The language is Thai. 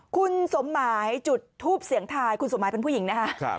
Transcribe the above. คุณสมหมายจุดทูปเสียงทายคุณสมหมายเป็นผู้หญิงนะคะ